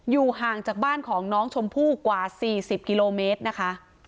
ห่างจากบ้านของน้องชมพู่กว่า๔๐กิโลเมตรนะคะ